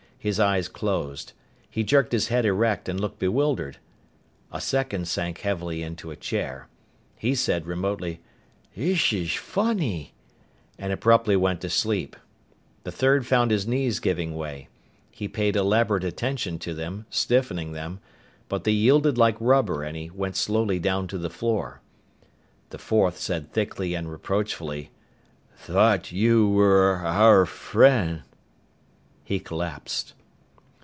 His eyes closed. He jerked his head erect and looked bewildered. A second sank heavily into a chair. He said remotely, "Thish sfunny!" and abruptly went to sleep. The third found his knees giving way. He paid elaborate attention to them, stiffening them. But they yielded like rubber and he went slowly down to the floor. The fourth said thickly and reproachfully, "Thought y'were our frien'!" He collapsed.